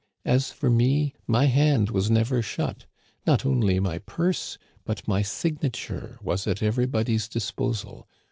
As for me, my hand was never shut. Not only my purse, but my signature was at every body's disposal.